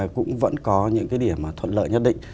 cũng vẫn có những cái điểm thuận lợi nhất định